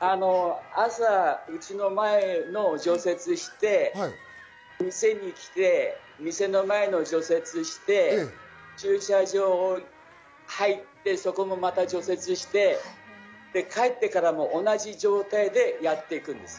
朝、家の前の除雪して、店に来て、店の前の除雪をして、駐車場を入って、そこもまた除雪して、帰ってからも同じ状態でやっていくんです。